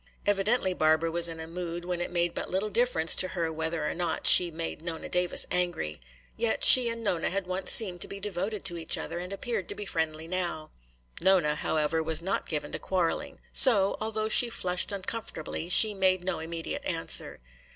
Evidently Barbara was in a mood when it made but little difference to her whether or not she made Nona Davis angry. Yet she and Nona had once seemed to be devoted to each other and appeared to be friendly now. Nona, however, was not given to quarreling. So, although she flushed uncomfortably, she made no immediate answer.